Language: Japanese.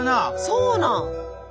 そうなん！